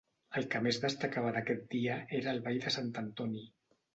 El que més destacava d'aquest dia era el Ball de Sant Antoni.